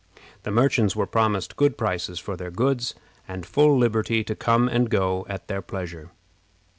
The merchants were promised good prices for their goods, and full liberty to come and go at their pleasure.